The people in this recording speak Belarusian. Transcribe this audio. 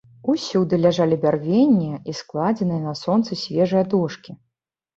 Усюды ляжалі бярвенне і складзеныя на сонцы свежыя дошкі.